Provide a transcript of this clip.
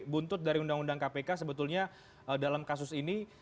buntut dari undang undang kpk sebetulnya dalam kasus ini